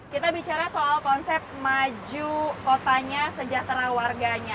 kita bicara soal konsep maju kotanya sejahtera warganya